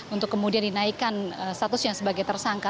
untuk kemudian dinaikkan status yang sebagai tersangka